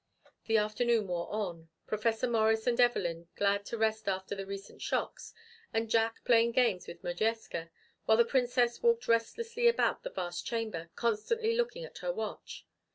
The afternoon wore on, Professor Morris and Evelyn glad to rest after the recent shocks, and Jack playing games with Modjeska, while the Princess walked restlessly about the vast chamber, constantly looking at her watch.